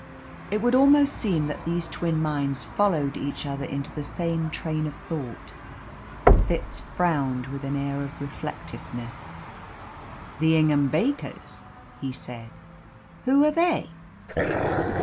It would almost seem that these twin minds followed each other into the same train of thought. Fitz frowned with an air of reflectiveness. "The Ingham Bakers," he said. "Who are they?"